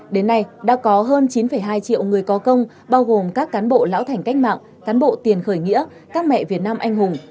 đến nay đã có hơn chín hai triệu người có công bao gồm các cán bộ lão thành cách mạng cán bộ tiền khởi nghĩa các mẹ việt nam anh hùng